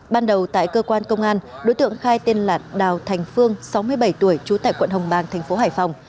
ban đầu tại cơ quan công an đối tượng khai tên là đào thành phương sáu mươi bảy tuổi trú tại quận hồng bang tp hải phòng